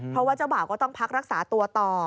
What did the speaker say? เพราะว่าเจ้าบ่าวก็ต้องพักรักษาตัวต่อ